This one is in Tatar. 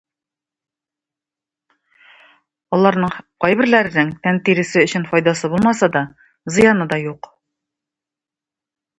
Аларның кайберләренең тән тиресе өчен файдасы булмаса да, зыяны да юк.